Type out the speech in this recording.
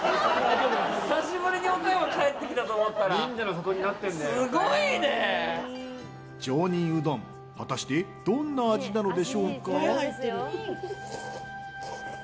久しぶりに岡山帰ってきたと思ったら上忍うどん果たしてどんな味なのでしょうか。